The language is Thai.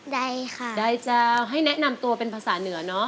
ใดค่ะใดจะให้แนะนำตัวเป็นภาษาเหนือเนอะ